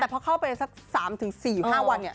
แต่พอเข้าไปสัก๓๔๕วันเนี่ย